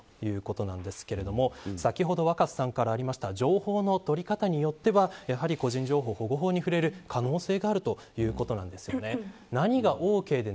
先ほど若狭さんからありましたが情報の取り方によっては個人情報保護法に触れる可能性があるということですよね。